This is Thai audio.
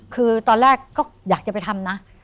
คือตอนแรกก็อยากจะไปทำนะ